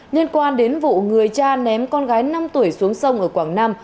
liên quan đến vụ người cha ném con gái năm tuổi xuống sông ở quảng nam